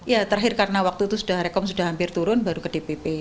ya terakhir karena waktu itu sudah rekom sudah hampir turun baru ke dpp